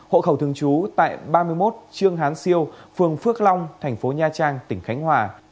hộ khẩu thường trú tại ba mươi một trương hán siêu phường phước long thành phố nha trang tỉnh khánh hòa